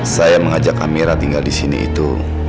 saya mengajak amira tinggal di sini itu